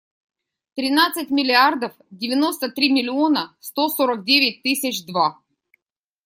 Тринадцать миллиардов девяносто три миллиона сто сорок девять тысяч два.